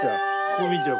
ここ見てよ